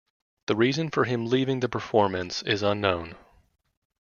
The reason for him leaving the performance is unknown.